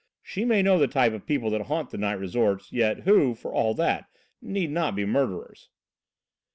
She may know the type of people that haunt the night resorts, yet who, for all that, need not be murderers."